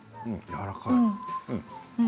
やわらかい。